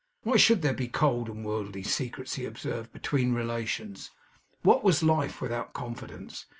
Why should there be cold and worldly secrets, he observed, between relations? What was life without confidence?